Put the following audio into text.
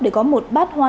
để có một bát hoa